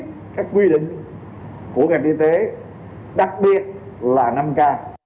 đối với các quy định của ngành y tế đặc biệt là năm k